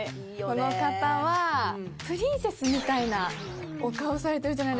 この方はプリンセスみたいなお顔をされてるじゃないですか。